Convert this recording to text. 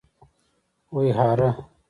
ويهاره